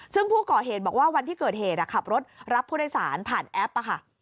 ซึ่งผู้ก่อเหตุบอกว่าวันที่เกิดเหตุขับรถรับผู้โดยสารผ่านแอป